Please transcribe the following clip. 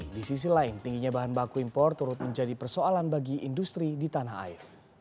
di sisi lain tingginya bahan baku impor turut menjadi persoalan bagi industri di tanah air